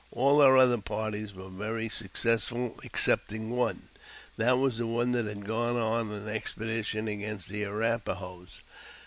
All our other parties were very successful, ex cepting one. That was one that had gone on an expedition] against the Arrap a hos.